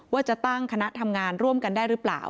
ว่าจะตั้งคณะทำงานร่วมกันได้หรือเปล่า